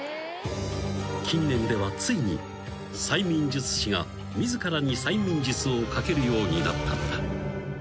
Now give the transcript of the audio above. ［近年ではついに催眠術師が自らに催眠術をかけるようになったのだ］